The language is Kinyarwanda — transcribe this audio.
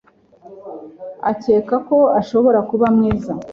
akeka ko ashobora kuba mwiza